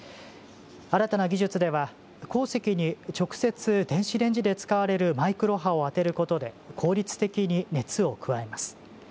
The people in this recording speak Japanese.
新たな技術では、鉱石に直接電子レンジで使われるマイクロ波を当てることで効率的に熱を加えます。